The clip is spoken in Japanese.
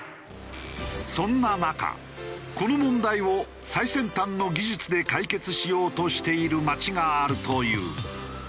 そんな中この問題を最先端の技術で解決しようとしている町があるという。